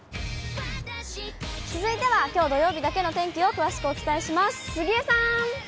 続いてはきょう土曜日だけの天気を詳しくお伝えします。